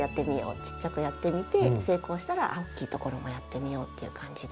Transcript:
ちっちゃくやってみて成功したら大きいところもやってみようっていう感じで。